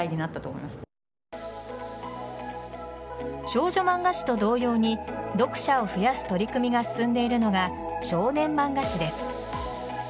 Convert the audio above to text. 少女漫画誌と同様に読者を増やす取り組みが進んでいるのが少年漫画誌です。